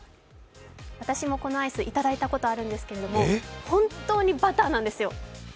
私もこのアイス、いただいたことあるんですけど、本当にバターなんですよ。